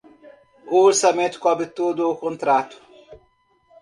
O orçamento cobre todo o contrato.